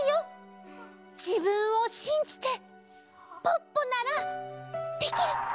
じぶんをしんじてポッポならできる！